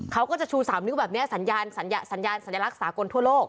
เขาก็จะชู๓นิ้วแบบนี้สัญญาณสัญลักษากลทั่วโลก